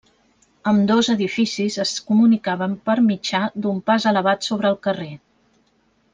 Ambdós edificis es comunicaven per mitjà d'un pas elevat sobre el carrer.